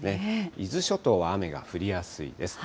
伊豆諸島は雨が降りやすいです。